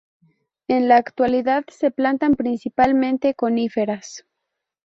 En la actualidad se plantan principalmente coníferas.